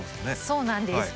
そうなんです。